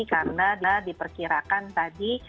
karena diperkirakan tadi